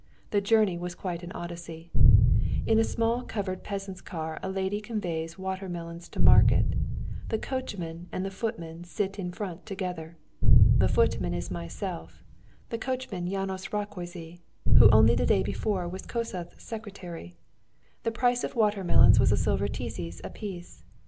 The journey was quite an Odyssey. In a small covered peasant's car a lady conveys water melons to market; the coachman and the footman sit in front together. The footman is myself, the coachman János Rákóczy, who only the day before was Kossuth's secretary. The price of water melons was a silver tizes a piece.